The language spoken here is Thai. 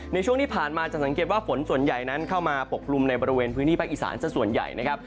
ในช่วงที่ผ่านมาจะสังเกตว่าฝนส่วนใหญ่นั้นเข้ามาปกกลุ่มในบริเวณพื้นที่ภาคอีสานสักส่วนใหญ่นะครับ